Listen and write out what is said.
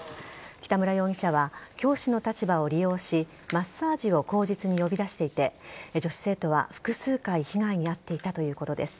北村容疑者は教師の立場を利用しマッサージを口実に呼び出していて女子生徒は複数回被害に遭っていたということです。